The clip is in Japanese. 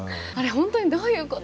本当にどういうこと？